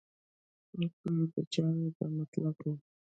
خو کۀ د چا دا مطلب وي